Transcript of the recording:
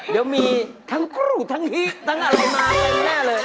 เดี๋ยวมีทั้งคู่ทั้งฮีกทั้งอะไรมากันแน่เลย